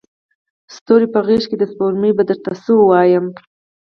ستوري په غیږکي د سپوږمۍ به درته څه وایمه